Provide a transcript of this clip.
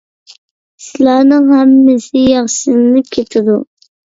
ئىشلارنىڭ ھەممىسى ياخشىلىنىپ كېتىدۇ.